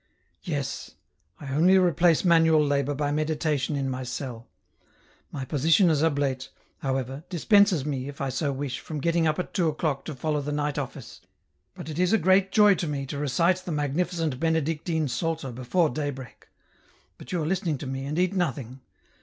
" Yes ; I only replace manual labour by meditation in my cell ; my position as oblate, however, dispenses me, if I so wish, from getting up at two o'clock to follow the night office, but it is a great joy to me to recite the magnificent Benedictine Psalter before daybreak — but you are listening to me, and eat nothing.